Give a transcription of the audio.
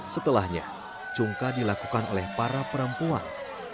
setelahnya cungka dilakukan oleh para perempuan